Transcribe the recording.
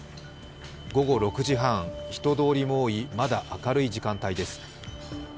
午後６時半、人通りも多いまだ明るい時間帯です。